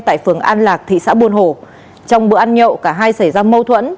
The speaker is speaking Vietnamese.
tại phường an lạc thị xã buôn hồ trong bữa ăn nhậu cả hai xảy ra mâu thuẫn